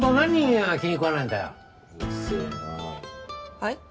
はい？